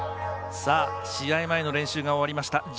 試合前練習が終わりました。